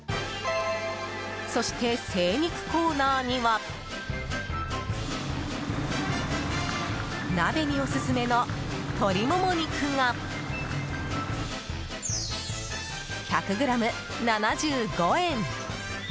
そして、精肉コーナーには鍋にオススメの鶏モモ肉が１００ｇ７５円。